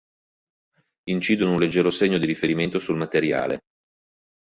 Incidono un leggero segno di riferimento sul materiale.